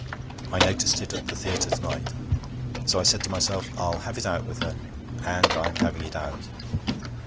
I noticed it at the theatre to night. So I said to myself, "I'll have it out with her." And I'm having it out.'